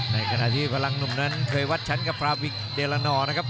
ในขณะที่พลังหนุ่มนั้นเคยวัดชั้นกับฟราวิกเดลานอร์นะครับ